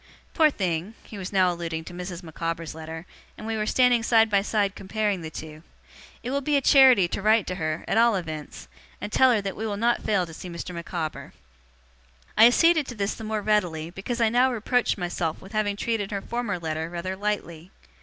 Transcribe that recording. Poor thing!' he was now alluding to Mrs. Micawber's letter, and we were standing side by side comparing the two; 'it will be a charity to write to her, at all events, and tell her that we will not fail to see Mr. Micawber.' I acceded to this the more readily, because I now reproached myself with having treated her former letter rather lightly.